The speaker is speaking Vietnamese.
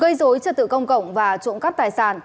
gây dối trật tự công cộng và trộm cắp tài sản